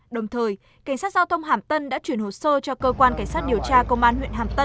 đồng thời cảnh sát giao thông hàm tân đã chuyển hồ sơ cho cơ quan cảnh sát điều tra công an huyện hàm tân